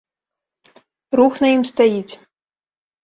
Рух на ім стаіць.